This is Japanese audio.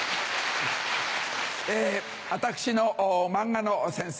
私の漫画の先生